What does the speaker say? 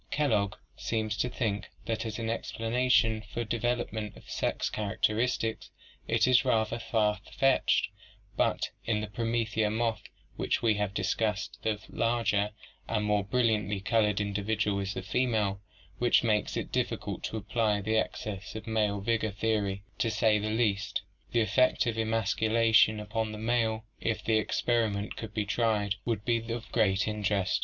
Kellogg seems to think that as an explana tion for the development of sex characteristics it is rather far fetched, but in the promethea moth which we have discussed the larger and more brilliantly colored individual is the female, which makes it difficult to apply the excess of male vigor theory, to say the least. The effect of emasculation upon the male if the experi ment could be tried would be of great interest.